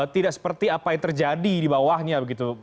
tidak seperti apa yang terjadi di bawahnya begitu